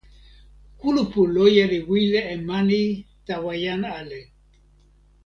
kulupu loje li wile e mani tawa jan ale.